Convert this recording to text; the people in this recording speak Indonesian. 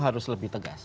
harus lebih tegas